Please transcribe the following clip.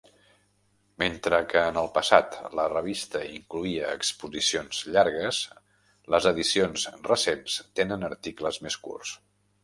Mentre que en el passat la revista incloïa exposicions llargues, les edicions recents tenen articles més curts.